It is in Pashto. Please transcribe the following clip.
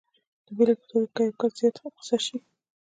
د بېلګې په توګه که یو کس زیات غسه شي